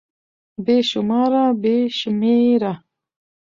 بې شماره √ بې شمېره